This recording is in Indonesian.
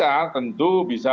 ya bisa tentu bisa